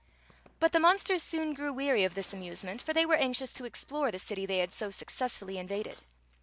But the monsters soon grew weary of this amuse ment, for they were anxious to explore the city they had so successfully invaded.